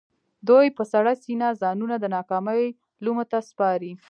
دوی په سړه سينه ځانونه د ناکامۍ لومو ته سپاري.